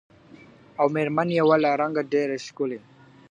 او مېر من یې وه له رنګه ډېره ښکلې .